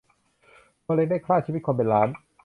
มะเร็งได้คร่าชีวิตคนเป็นล้าน